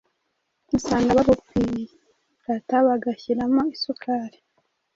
usanga babupirata bagashyiramo isukari ,